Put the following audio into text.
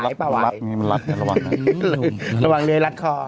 ลับระวังเลยระวังเลยลัดคอ